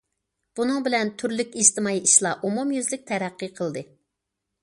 بۇنىڭ بىلەن تۈرلۈك ئىجتىمائىي ئىشلار ئومۇميۈزلۈك تەرەققىي قىلدى.